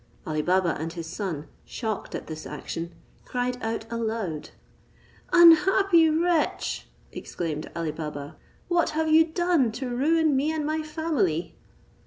Ali Baba and his son, shocked at this action, cried out aloud. "Unhappy wretch!" exclaimed Ali Baba, "what have you done to ruin me and my family?"